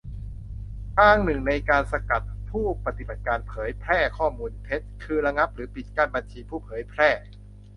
ทางหนึ่งในการสกัดผู้ปฏิบัติการเผยแพร่ข้อมูลเท็จ คือระงับหรือปิดกั้นบัญชีผู้เผยแพร่